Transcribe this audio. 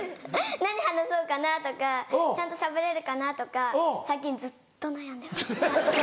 何話そうかなとかちゃんとしゃべれるかなとか最近ずっと悩んでました。